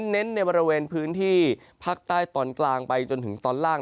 เน้นในบริเวณพื้นที่ภาคใต้ตอนกลางไปจนถึงตอนล่าง